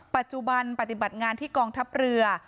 ปัจจุบันปฏิบัติงานที่กองทัพเรือ